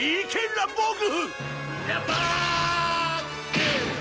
ランボーグ！